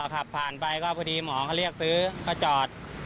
ขับผ่านไปก็พอดีหมอเขาเรียกซื้อก็จอด